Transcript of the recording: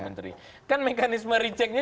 menteri kan mekanisme rechecknya